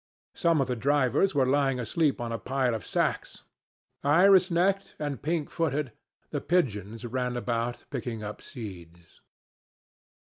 Some of the drivers were lying asleep on a pile of sacks. Iris necked and pink footed, the pigeons ran about picking up seeds.